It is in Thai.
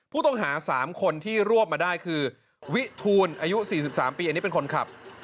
ผู้ต้องหา๓คนที่รวบมาได้คือวิทูลอายุ๔๓ปีอันนี้เป็นคนขับ